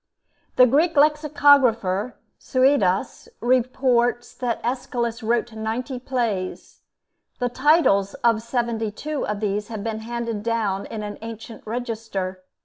The Greek lexicographer, Suidas, reports that Aeschylus wrote ninety plays. The titles of seventy two of these have been handed down in an ancient register.